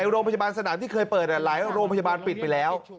โรงพยาบาลสนามที่เคยเปิดหลายโรงพยาบาลปิดไปแล้ว